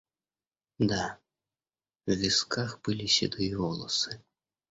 Да, в висках были седые волосы.